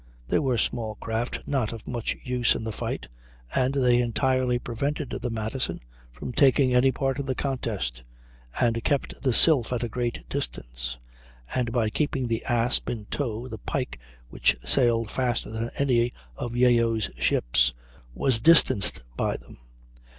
They were small craft, not of much use in the fight, and they entirely prevented the Madison from taking any part in the contest, and kept the Sylph at a great distance; and by keeping the Asp in tow the Pike, which sailed faster than any of Yeo's ships, was distanced by them.